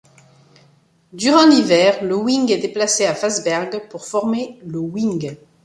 Durant l'hiver, le wing est déplacé à Fassberg pour former le wing.